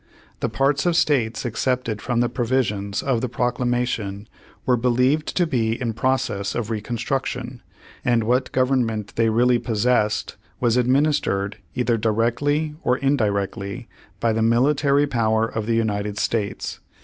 The parts of states excepted from the provisions of the Proclamation were be lieved to be in process of reconstruction, and what government they really possessed was adminis tered, either directly or indirectly by the military power of the United States.